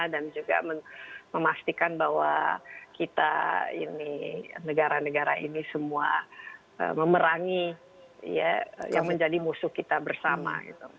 dan juga memastikan bahwa kita ini negara negara ini semua memerangi ya yang menjadi musuh kita bersama